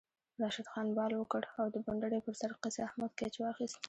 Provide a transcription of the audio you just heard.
راشد خان بال وکړ او د بونډرۍ پر سر قیص احمد کیچ واخیست